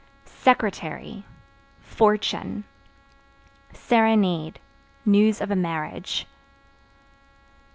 Secretary Fortune. Serenade News of a marriage.